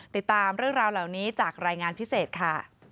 ติดตามเรื่องราวเหล่านี้จากรายงานพิเศษค่ะ